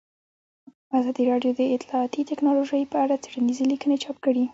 ازادي راډیو د اطلاعاتی تکنالوژي په اړه څېړنیزې لیکنې چاپ کړي.